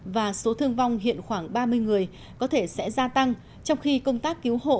và số thương vong hiện khoảng ba mươi người có thể sẽ gia tăng trong khi công tác cứu hộ